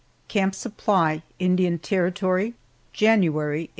CAMP SUPPLY, INDIAN TERRITORY, January, 1873.